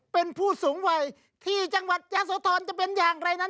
เป็นผู้สูงวัยที่จังหวัดยะโสธรจะเป็นอย่างไรนั้น